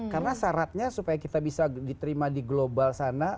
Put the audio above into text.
karena syaratnya supaya kita bisa diterima di global sana